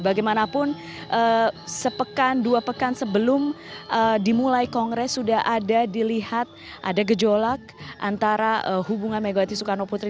bagaimanapun sepekan dua pekan sebelum dimulai kongres sudah ada dilihat ada gejolak antara hubungan megawati soekarno putri